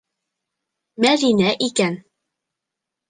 Мәҙинә икән.